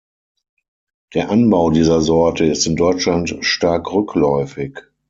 Der Anbau dieser Sorte ist in Deutschland stark rückläufig.